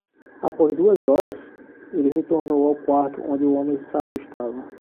Após duas horas?, ele retornou ao quarto onde o homem sábio estava.